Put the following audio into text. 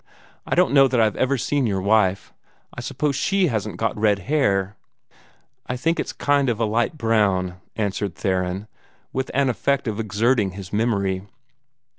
I don't know that I've ever seen your wife. I suppose she hasn't got red hair?" "I think it's a kind of light brown," answered Theron, with an effect of exerting his memory.